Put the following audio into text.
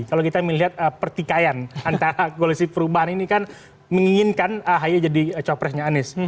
kalau kita melihat pertikaian antara koalisi perubahan ini kan menginginkan ahy jadi capresnya anies